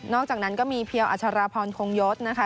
อกจากนั้นก็มีเพียวอัชราพรคงยศนะคะ